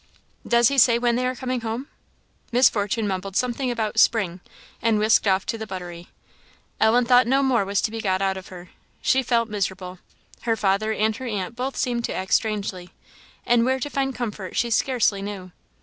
"Does he say when they are coming home?" Miss Fortune mumbled something about "spring," and whisked off to the buttery; Ellen thought no more was to be got out of her. She felt miserable. Her father and her aunt both seemed to act strangely; and where to find comfort she scarcely knew.